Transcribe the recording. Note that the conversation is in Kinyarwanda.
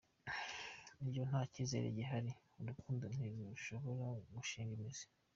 Iyo nta cyizere gihari urukundo ntirushobora gushinga imizi.